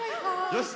よし！